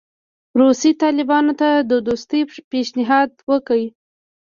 روسیې طالبانو ته د دوستۍ پېشنهاد وکړ.